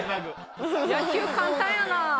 野球簡単やな。